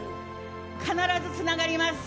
必ずつながります。